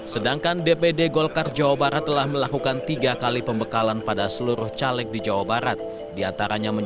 sedangkan dpd golkar jawa barat telah melakukan tiga kali pembekalan pada seluruh caleg di jawa barat